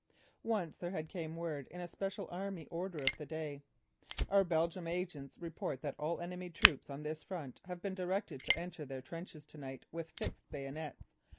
Once there had come word in a special army order of the day: "Our Belgian agent reports that all enemy troops on this front have been directed to enter their trenches to night with fixed bayonets.